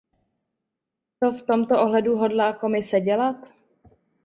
Co v tomto ohledu hodlá Komise dělat?